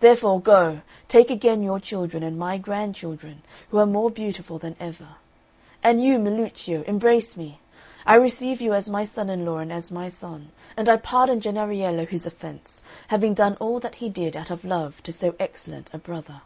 Therefore, go, take again your children and my grandchildren, who are more beautiful than ever. And you, Milluccio, embrace me. I receive you as my son in law and as my son. And I pardon Jennariello his offence, having done all that he did out of love to so excellent a brother."